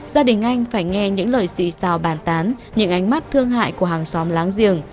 gia đình anh phải nghe những lời xị xào bàn tán những ánh mắt thương hại của hàng xóm láng giềng